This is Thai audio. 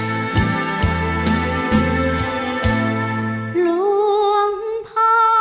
หัวใจเหมือนไฟร้อน